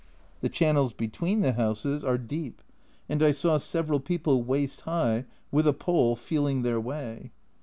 The channels between the houses are A Journal from Japan deep, and I saw several people waist high, with a pole, feeling their way.